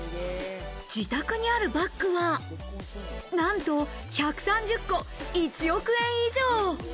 自宅にあるバッグは、なんと１３０個、１億円以上。